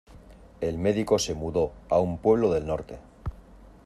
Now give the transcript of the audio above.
El médico se mudó a un pueblo del norte.